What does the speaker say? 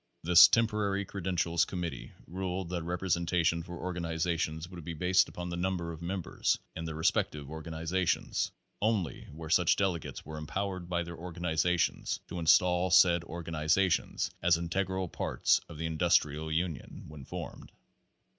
This temporary credentials committee ruled that representation for organizations would be based upon the number of members in their respective organiza tions only where such delegates were empowered by their organizations to install said organizations as in tegral parts of the Industrial Union when formed.